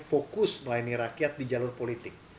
fokus melayani rakyat di jalur politik